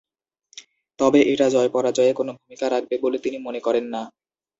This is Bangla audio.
তবে এটা জয়-পরাজয়ে কোনো ভূমিকা রাখবে বলে তিনি মনে করেন না।